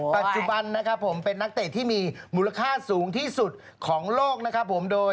ปัจจุบันนะครับผมเป็นนักเตะที่มีมูลค่าสูงที่สุดของโลกนะครับผมโดย